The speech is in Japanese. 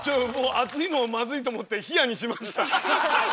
熱いのはマズいと思って冷やにしました。